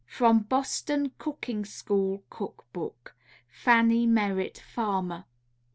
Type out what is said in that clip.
_From Boston Cooking School Cook Book Fannie Merritt Farmer.